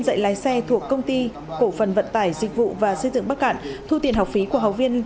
dạy lái xe thuộc công ty cổ phần vận tải dịch vụ và xây dựng bắc cạn thu tiền học phí của học viên